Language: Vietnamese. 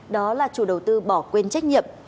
đó là chủ đầu tư bỏ quên trách nhiệm